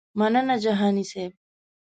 مننه جهاني صیب.